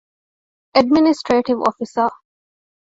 އެޑްމިނިސްޓްރޓިވް އޮފިސަރ